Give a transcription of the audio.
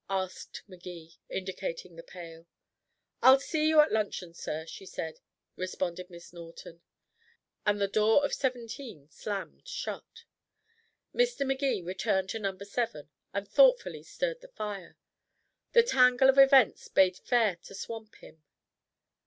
'" asked Magee, indicating the pail. "'"I'll see you at luncheon, sir," she said,'" responded Miss Norton, and the door of seventeen slammed shut. Mr. Magee returned to number seven, and thoughtfully stirred the fire. The tangle of events bade fair to swamp him.